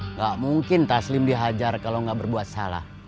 nggak mungkin taslim dihajar kalau nggak berbuat salah